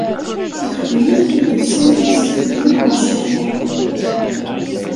Ixdem-it mi d-usan Izifiyen ɣer Cawul.